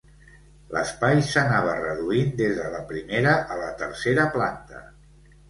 L'espai s'anava reduint des de la primera a la tercera planta.